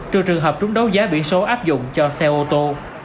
trừ trường hợp trúng đấu giá biển số áp dụng cho xe ô tô